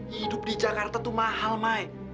hidup di jakarta tuh mahal mah